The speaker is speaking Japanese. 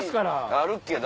あるけど。